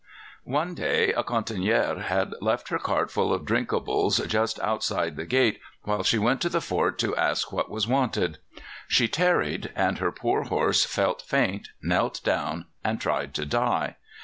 One day a cantinière had left her cart full of drinkables just outside the gate while she went to the fort to ask what was wanted. She tarried, and her poor horse felt faint, knelt down, and tried to die.